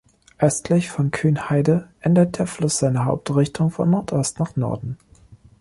Östlich von Kühnhaide ändert der Fluss seine Hauptrichtung von Nordost nach Norden.